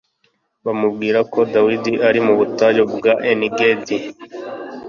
bamubwira ko Dawidi ari mu butayu bwa Enigedi.